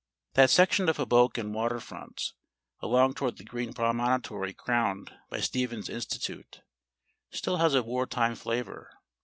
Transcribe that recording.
That section of Hoboken waterfront, along toward the green promontory crowned by Stevens Institute, still has a war time flavour.